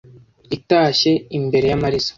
Itashye imbere y’amariza